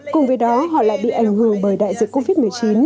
cùng với đó họ lại bị ảnh hưởng bởi đại dịch covid một mươi chín